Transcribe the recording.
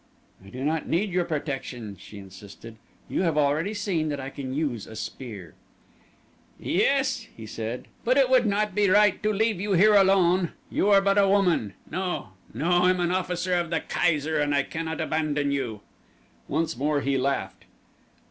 "I do not need your protection," she insisted. "You have already seen that I can use a spear." "Yes," he said; "but it would not be right to leave you here alone you are but a woman. No, no; I am an officer of the Kaiser and I cannot abandon you." Once more he laughed.